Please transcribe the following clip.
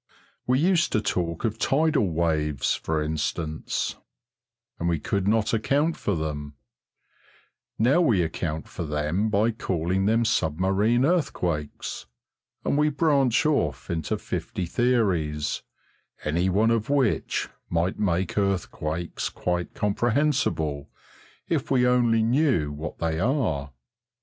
We used to talk of tidal waves, for instance, and we could not account for them; now we account for them by calling them submarine earthquakes, and we branch off into fifty theories, any one of which might make earthquakes quite comprehensible if we only knew what they are.